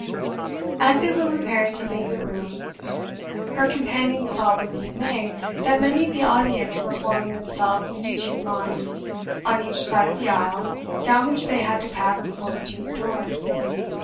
As they were preparing to leave the room, her companion saw with dismay that many of the audience were forming themselves into two lines, on each side of the aisle down which they had to pass before reaching the door.